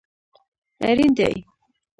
اړین دي